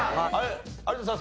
有田さん